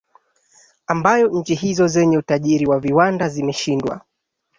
ambayo nchi hizo zenye utajiri wa viwanda zimeshindwa